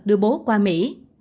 đưa bố qua mỹ